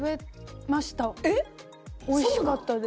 おいしかったです。